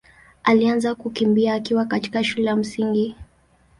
alianza kukimbia akiwa katika shule ya Msingi.